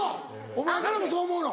お前からもそう思うの？